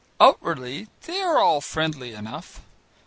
Outwardly, they are all friendly enough.